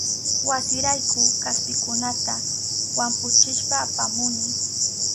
Wasirayku kaspikunata wampuchishpa apamuni.